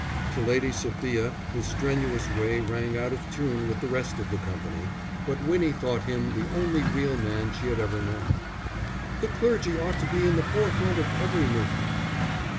To Lady Sophia his strenuous way rang out of tune with the rest of the company, but Winnie thought him the only real man she had ever known. "The clergy ought to be in the forefront of every movement."